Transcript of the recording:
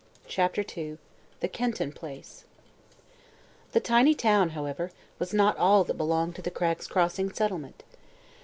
CHAPTER II THE KENTON PLACE The tiny town, however, was not all that belonged to the Cragg's Crossing settlement.